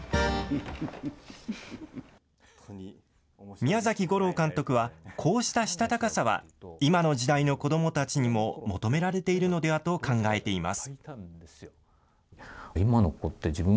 宮崎吾朗監督は、こうしたしたたかさは、今の時代の子どもたちにも求められているのではと考えています。